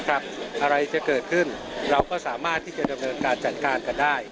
อะไรจะเกิดขึ้นเราก็สามารถที่จะดำเนินการจัดการกันได้